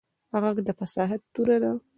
غږ د فصاحت توره ده